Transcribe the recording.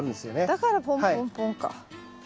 だからポンポンポンか。